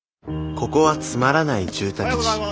ここはつまらない住宅地。